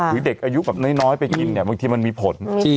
หรือเด็กอายุแบบน้อยไปกินเนี่ยบางทีมันมีผล